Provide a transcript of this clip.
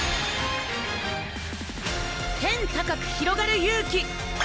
天高くひろがる勇気！